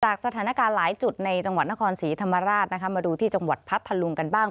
สถานการณ์หลายจุดในจังหวัดนครศรีธรรมราชนะคะมาดูที่จังหวัดพัทธลุงกันบ้าง